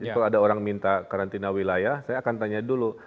kalau ada orang minta karantina wilayah saya akan tanya dulu